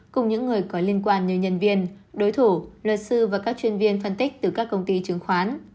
cùng những người có liên quan như nhân viên đối thủ luật sư và các chuyên viên phân tích từ các công ty chứng khoán